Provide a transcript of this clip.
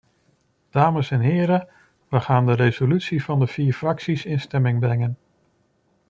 Dames en heren, we gaan de resolutie van de vier fracties in stemming brengen.